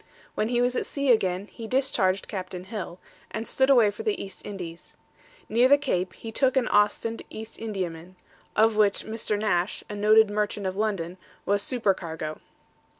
When he was at sea again, he discharged Captain Hill, and stood away for the East Indies. Near the Cape he took an Ostend East Indiaman, of which Mr. Nash, a noted merchant of London, was supercargo.